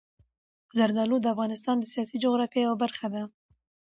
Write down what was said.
زردالو د افغانستان د سیاسي جغرافیې یوه برخه ده.